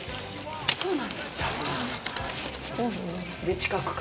そうなんですか？